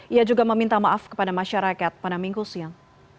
ia juga meminta maaf kepada masyarakat pada minggu siang